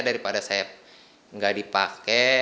daripada saya nggak dipakai